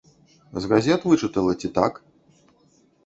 З газет вычытала, ці так?